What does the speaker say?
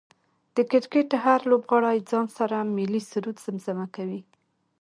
د کرکټ هر لوبغاړی ځان سره ملي سرود زمزمه کوي